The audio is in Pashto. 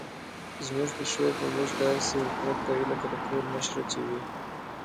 زموږ پیشو په موږ داسې حکومت کوي لکه د کور مشره چې وي.